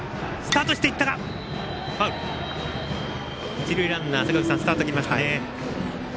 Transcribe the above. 一塁ランナースタート切りましたね。